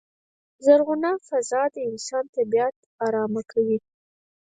زرغونه فضا د انسان طبیعت ارامه کوی.